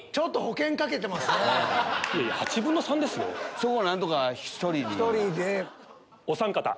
そこを何とか１人に。